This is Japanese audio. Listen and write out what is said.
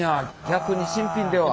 逆に新品では。